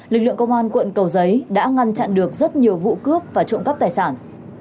lực lượng công an quận cầu giấy đã ngăn chặn được rất nhiều vụ cướp và trộm cắp tài sản